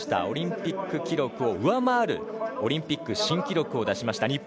オリンピック記録を上回るオリンピック新記録を出しました。